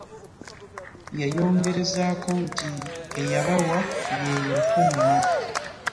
Yayongerezaako nti eyabawa y'eyatumma .